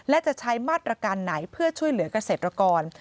และจะใช้มาตรการไหนเพื่อช่วยเหลือกเกษตรกร